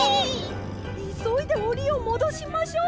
いそいでおりをもどしましょう！